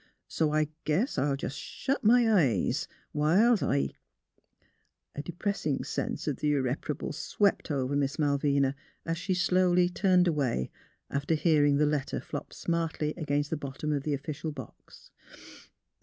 So I guess I'll jus' shet my eyes, whilst I " A depressing sense of the irreparable swept over Miss Malvina, as she turned slowly away, after hearing the letter flop smartly against the bottom of the official box.